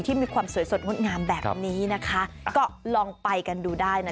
มีความสวยสดงดงามแบบนี้นะคะก็ลองไปกันดูได้นะ